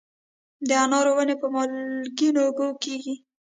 د انارو ونې په مالګینو اوبو کیږي؟